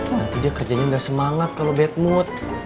nanti dia kerjanya udah semangat kalau bad mood